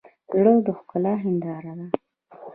زړه د ښکلا هنداره ده.